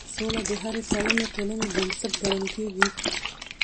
سوله د هرې سالمې ټولنې بنسټ ګڼل کېږي